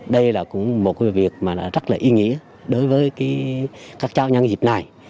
đây là cũng một việc mà rất là ý nghĩa đối với các cháu nhân dịp này